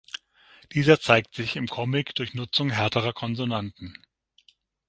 Dieser zeigt sich im Comic durch Nutzung härterer Konsonanten.